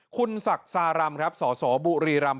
คุณศักดิ์สารำสอบุรีรำ